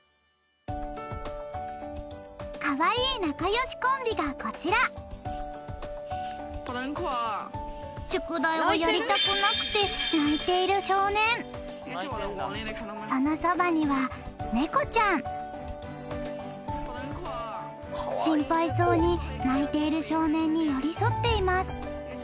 カワイイ仲良しコンビがこちら宿題をやりたくなくて泣いている少年そのそばには猫ちゃん心配そうに泣いている少年に寄り添っています